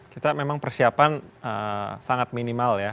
kita memang persiapan sangat minimal ya